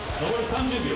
残り３０秒。